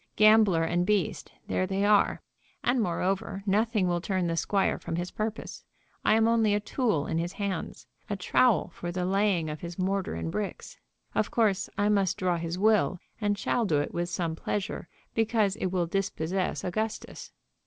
Gambler and beast, there they are. And, moreover, nothing will turn the squire from his purpose. I am only a tool in his hands, a trowel for the laying of his mortar and bricks. Of course I must draw his will, and shall do it with some pleasure, because it will dispossess Augustus."